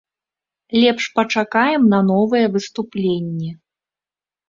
Лепш пачакаем на новыя выступленні.